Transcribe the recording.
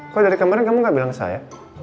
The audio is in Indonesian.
kok dari kemarin kamu gak bilang saya